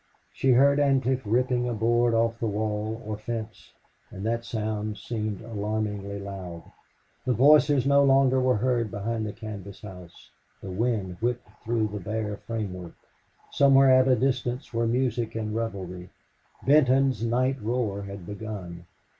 She heard Ancliffe ripping a board off the wall or fence, and that sound seemed alarmingly loud. The voices no longer were heard behind the canvas house. The wind whipped through the bare framework. Somewhere at a distance were music and revelry. Benton's night roar had begun.